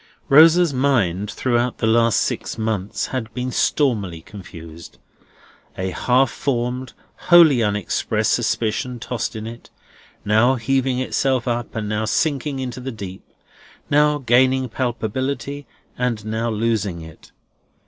Rosa's mind throughout the last six months had been stormily confused. A half formed, wholly unexpressed suspicion tossed in it, now heaving itself up, and now sinking into the deep; now gaining palpability, and now losing it.